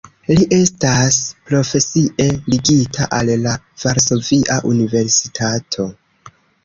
Li estas profesie ligita al la Varsovia Universitato.